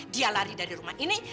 dia lari dari rumah ini